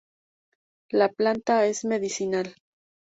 La planta es medicinal.